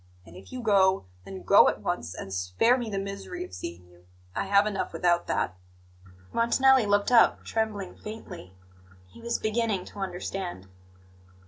And if you go, then go at once, and spare me the misery of seeing you. I have enough without that." Montanelli looked up, trembling faintly. He was beginning to understand.